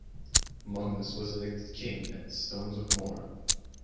Magnus was elected king at the Stones of Mora.